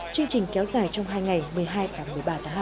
chương trình kéo dài trong hai ngày một mươi hai và một mươi ba tháng hai